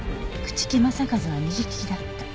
朽木政一は右利きだった。